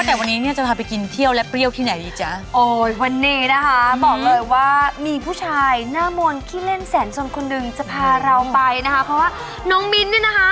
แล้วยกหน้าทีนี้เนี่ยให้กับผู้ชายสุดเท่สุดสมาร์ทคนนี้